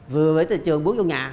vừa về từ trường bước vô nhà